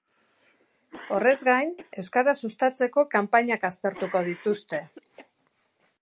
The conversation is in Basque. Horrez gain, euskara sustayzeko kanpainak aztertuko dituzte.